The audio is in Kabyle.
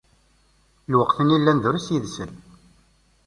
Di lweqt-nni, llan di drus yid-sen.